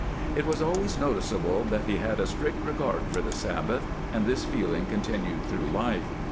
It was always noticeable that he had a strict regard for the Sabbath, and this feeling continued through life.